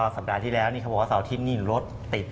สัปดาห์ที่แล้วนี่ครับบอกว่า๙ทีนี่รถติด